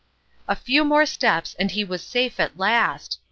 A few more steps and he was safe at last